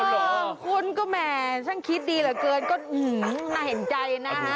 โอ้โหคุณก็แหมฉันคิดดีเหรอเกินก็อื้อหือน่าเห็นใจนะฮะ